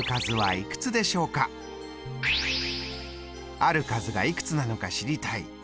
ある数がいくつなのか知りたい。